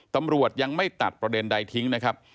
ตำรวจยังไม่ตัดประเด็นใดทิ้งนะครับ